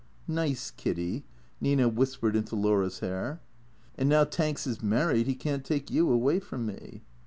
("Nice Kiddy," Nina whispered into Laura's hair.) " And now Tanks is married, he can't take you away from me.